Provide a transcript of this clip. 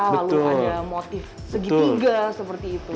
lalu ada motif segitiga seperti itu